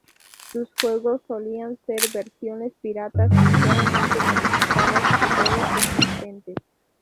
Sus juegos solían ser versiones piratas ligeramente modificadas de juegos existentes.